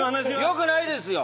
よくないですよ！